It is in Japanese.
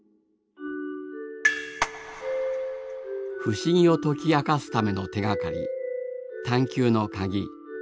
不思議を解き明かすための手がかり